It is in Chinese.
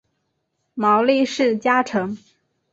毛利氏家臣。